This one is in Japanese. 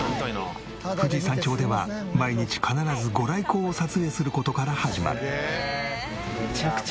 富士山頂では毎日必ず御来光を撮影する事から始まる。